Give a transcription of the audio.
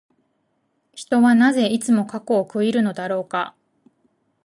人はなぜ、いつも過去を悔いるのだろうか。